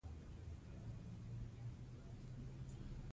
عاید او لګښت باید برابر وي.